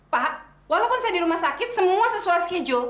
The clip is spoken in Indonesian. pak walaupun saya di rumah sakit semua sesuai schedule